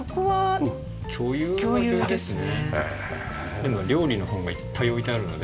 でも料理の本がいっぱい置いてあるので。